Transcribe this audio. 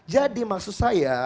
jadi maksud saya